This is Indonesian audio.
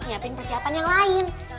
nyiapin persiapan yang lain